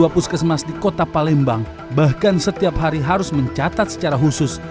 dua puskesmas di kota palembang bahkan setiap hari harus mencatat secara khusus